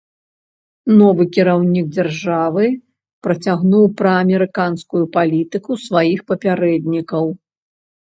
Новы кіраўнік дзяржавы працягнуў праамерыканскую палітыку сваіх папярэднікаў.